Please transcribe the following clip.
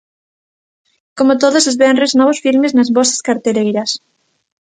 Como todos os venres, novos filmes nas vosas carteleiras.